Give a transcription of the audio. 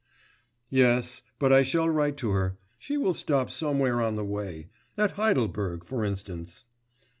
'Yes; but I shall write to her ... she will stop somewhere on the way ... at Heidelberg, for instance.